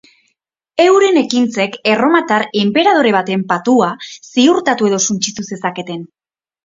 Euren ekintzek erromatar enperadore baten patua ziurtatu edo suntsi zezaketen.